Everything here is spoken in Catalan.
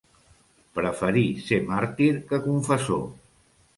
Preferir ser màrtir que confessor.